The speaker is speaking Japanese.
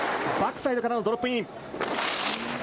バックサイドからのドロップイン。